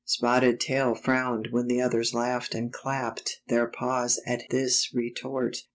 Spotted Tail frowned when the others laughed and clapped their paws at this retort.